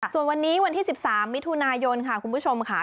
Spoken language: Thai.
ส่วนวันนี้วันที่๑๓มิถุนายนค่ะคุณผู้ชมค่ะ